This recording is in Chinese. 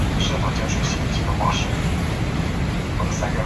第二个重点则是即刻分配更多政府资金援助新的社会计画。